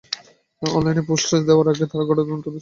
অনলাইনে পোস্ট দেওয়ার আগে তারা গড়ে অন্তত পাঁচটি সেলফি ডিলিট করে।